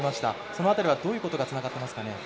その辺りはどういうことがつながっていますか？